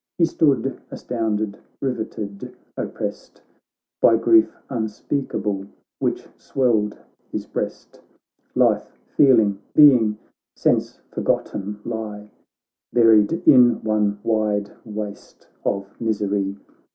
He stood astounded, riveted, opprest By grief unspeakable, which swelled his breast ; Life, feeling, being, sense forgotten lie. Buried in one wide waste of misery.